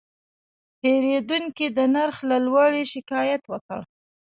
پیرودونکی د نرخ له لوړې شکایت وکړ.